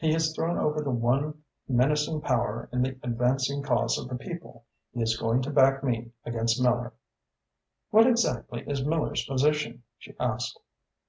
He has thrown over the one menacing power in the advancing cause of the people. He is going to back me against Miller." "What exactly is Miller's position?" she asked.